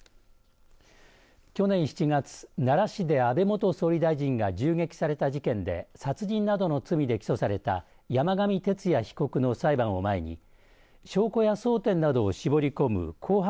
去年７月、奈良市で安倍元総理大臣が銃撃された事件で殺人などの罪で起訴された山上徹也被告の裁判を前に証拠や争点などを絞り込む公判